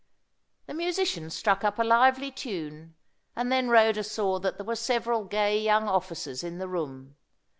The musicians struck up a lively tune, and then Rhoda saw that there were several gay young officers in the room.